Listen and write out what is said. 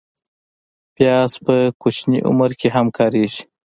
پیاز په کوچني عمر کې هم کارېږي